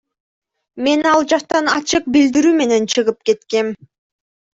Мен ал жактан ачык билдирүү менен чыгып кеткем.